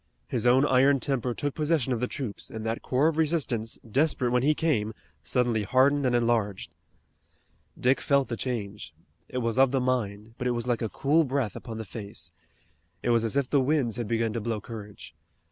His own iron temper took possession of the troops, and that core of resistance, desperate when he came, suddenly hardened and enlarged. Dick felt the change. It was of the mind, but it was like a cool breath upon the face. It was as if the winds had begun to blow courage.